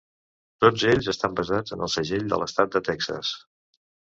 Tots ells estan basats en el segell de l'estat de Texas.